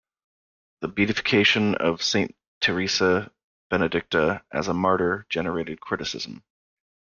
The beatification of Saint Teresa Benedicta as a martyr generated criticism.